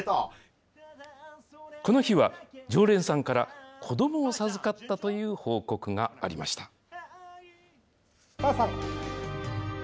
この日は、常連さんから子どもを授かったという報告がありました。